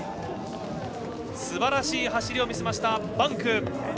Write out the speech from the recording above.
すばらしい走りを見せましたバンク。